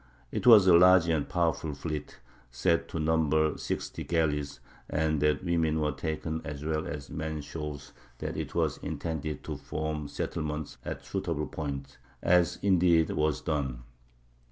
It was a large and powerful fleet, said to number sixty galleys; and that women were taken as well as men shows that it was intended to form settlements at suitable points, as, indeed, was done.